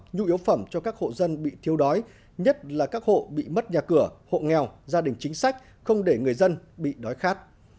nhu yếu phẩm cho các hộ dân bị thiêu đói nhất là các hộ bị mất nhà cửa hộ nghèo gia đình chính sách không để người dân bị đói khát